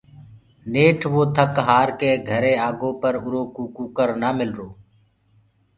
نيٺ وو ٿَڪ هآر ڪي گھري آگو پر اُرو ڪوُ ڪٚڪر نآ ملرو۔